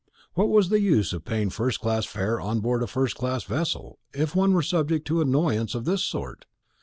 What was the use of paying first class fare on board a first class vessel, if one were subject to annoyance of this sort?